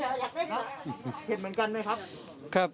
เห็นเหมือนกันไหมครับ